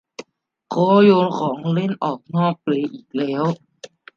เขาโยนของเล่นออกนอกเปลอีกแล้ว